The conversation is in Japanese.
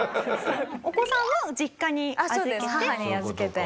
お子さんは実家に預けて。